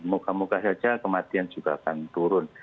muka muka saja kematian juga akan turun